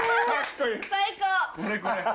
最高。